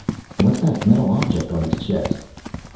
"What's that metal object on his chest?"